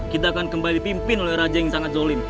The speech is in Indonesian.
kita akan kembali pimpin oleh raja yang sangat zolim